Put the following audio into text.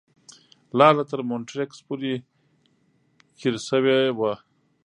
لاره تر مونیټریکس پورې کریړ شوې وه.